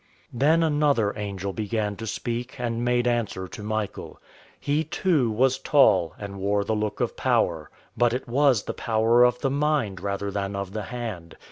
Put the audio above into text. Then another angel began to speak, and made answer to Michael. He, too, was tall and wore the look of power. But it was power of the mind rather than of the hand.